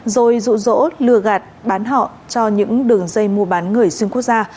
rồi rụ rỗ lừa gạt bán họ cho những đường dây mua bán người xuyên quốc gia